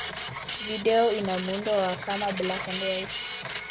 Video ina muundo wa kama black-and-white.